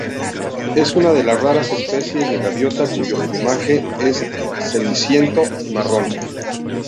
Es una de las raras especies de gaviota cuyo plumaje es ceniciento y marrón.